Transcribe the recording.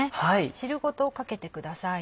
汁ごとかけてください。